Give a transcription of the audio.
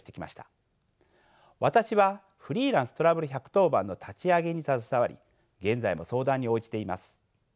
私はフリーランス・トラブル１１０番の立ち上げに携わり現在も相談に応じています。